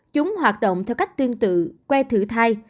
chúng hoạt động theo cách tương tự que thử thai